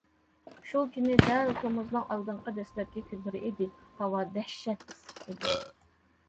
شۇ كۈنى دەل تومۇزنىڭ ئالدىنقى دەسلەپكى كۈنلىرى ئىدى، ھاۋا دەھشەت ئىسسىق ئىدى.